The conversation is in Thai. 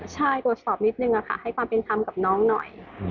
ใช่ตรวจสอบนิดนึงค่ะให้ความเป็นธรรมกับน้องหน่อย